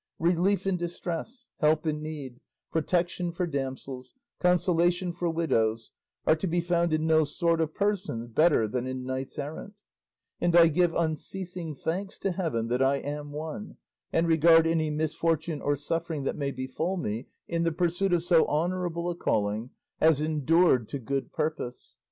Relief in distress, help in need, protection for damsels, consolation for widows, are to be found in no sort of persons better than in knights errant; and I give unceasing thanks to heaven that I am one, and regard any misfortune or suffering that may befall me in the pursuit of so honourable a calling as endured to good purpose.